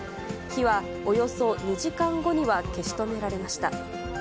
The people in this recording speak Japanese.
火はおよそ２時間後には消し止められました。